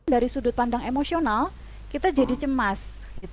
dari sudut pandang emosional kita jadi cemas